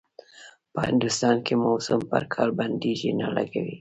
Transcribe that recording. په هندوستان کې موسم پر کار بنديز نه لګوي.